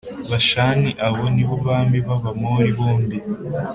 Bashani Abo ni bo bami b’Abamori bombi.